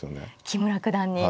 木村九段に。